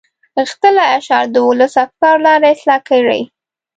غښتلي اشعار د ولس د افکارو لاره اصلاح کړي.